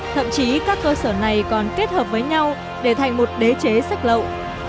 thậm chí các cơ sở này còn kết hợp với nhau để thành một đế chế sách lậu